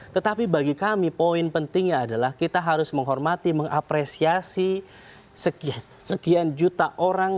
tetapi bagi kami poin pentingnya adalah kita harus menghormati mengapresiasi sekian juta orang